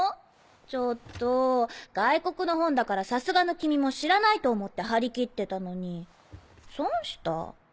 ちょっと外国の本だからさすがの君も知らないと思って張り切ってたのに損した。